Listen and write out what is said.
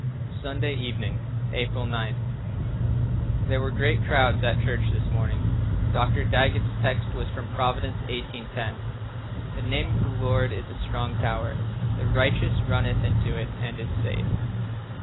Sunday Evening, April 9. There were great crowds at church this morning. Dr. Daggett's text was from Prov. 18: 10: "The name of the Lord is a strong tower; the righteous runneth into it, and is safe."